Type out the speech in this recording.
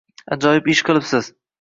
Ajoyib ish qilibsiz.